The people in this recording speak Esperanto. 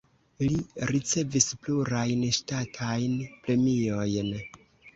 Li ricevis plurajn ŝtatajn premiojn.